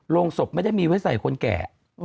โรงศพไม่ได้มีไว้ใส่คนแก่